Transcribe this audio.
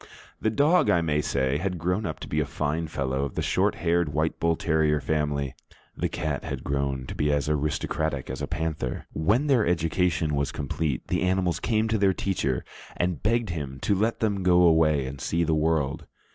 The dog, I may say, had grown up to be a fine fellow of the short haired, white bull terrier family; the cat had grown to be as aristocratic as a panther. When their education was complete, the animals came to their teacher and begged him to let them go away and see the world.